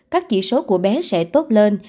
các chỉ số của bé sẽ tốt lên